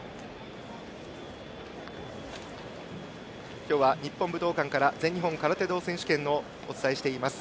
今日は日本武道館から全日本空手道選手権をお伝えしています。